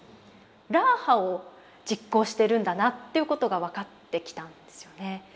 ラーハを実行してるんだなということが分かってきたんですよね。